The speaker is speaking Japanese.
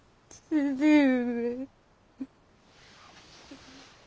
父上。